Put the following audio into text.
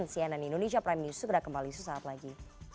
cnn indonesia prime news segera kembali sesaat lagi